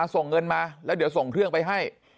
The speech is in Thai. ส่งเงินมาแล้วเดี๋ยวส่งเครื่องไปให้